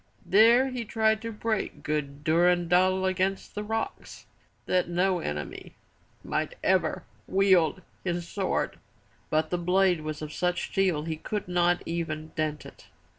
There he tried to break good Durendal against the rocks that no enemy might ever wield his sword. But the blade was of such steel he could not even dent it.